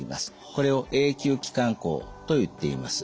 これを永久気管孔といっています。